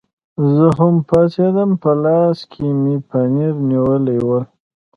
زه هم پاڅېدم، په لاس کې مې پنیر نیولي ول.